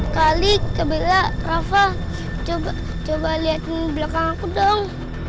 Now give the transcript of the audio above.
kali kebela rafa coba liatin belakang aku dong